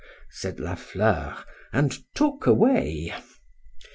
said La Fleur,—and took away.